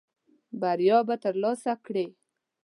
بریا به ترلاسه کړې .